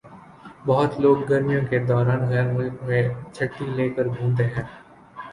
بہت لوگ گرمیوں کے دوران غیر ملک میں چھٹّی لے کر گھومتے ہیں۔